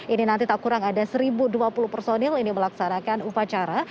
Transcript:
ini nanti tak kurang ada satu dua puluh personil ini melaksanakan upacara